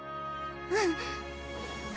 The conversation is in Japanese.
うん！